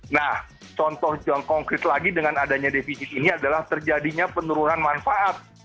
nah contoh yang konkret lagi dengan adanya defisit ini adalah terjadinya penurunan manfaat